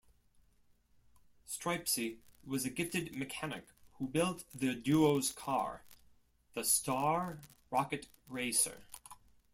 Stripesy was a gifted mechanic who built the duo's car, the Star Rocket Racer.